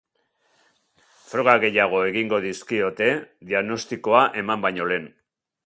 Froga gehiago egingo dizkiote diagnostiakoa eman baino lehen.